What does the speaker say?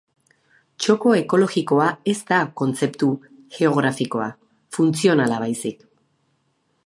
Txoko ekologikoa ez da kontzeptu geografikoa, funtzionala baizik.